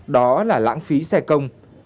đó là lãng phí xe công